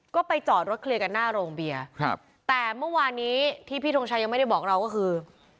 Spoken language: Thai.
ก็ไปจอดรถเคลียร์กันหน้าโรงเบียร์ครับแต่เมื่อวานนี้ที่พี่ทงชัยยังไม่ได้บอกเราก็คือ